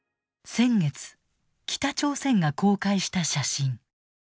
先月北朝鮮が公開した写真。